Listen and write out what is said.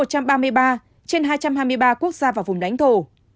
trên hai trăm hai mươi ba quốc gia và vùng lãnh thổ